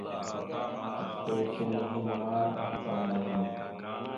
Gosko ya tinaŋ henne ma acal lele.